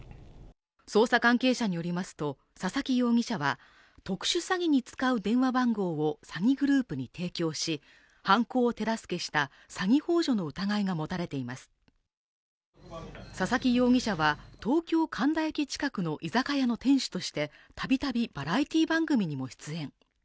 捜査関係者によりますと佐々木容疑者は特殊詐欺に使う電話番号を詐欺グループに提供し犯行を手助けした詐欺ほう助の疑いが持たれています佐々木容疑者は東京・神田駅近くの居酒屋の店主としてたびたびバラエティー番組にも出演